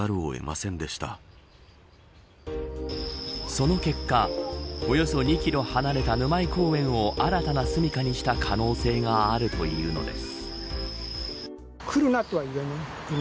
その結果およそ２キロ離れた沼井公園を新たな住みかにした可能性があるというのです。